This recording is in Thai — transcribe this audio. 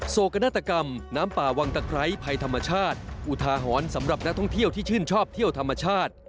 โศกนาฏกรรมน้ำป่าวังตะไคร้ภัยธรรมชาติอุทาหรณ์สำหรับนักท่องเที่ยวที่ชื่นชอบเที่ยวธรรมชาติ